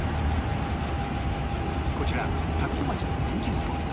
こちら田子町の人気スポット